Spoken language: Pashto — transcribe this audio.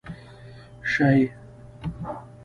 شي،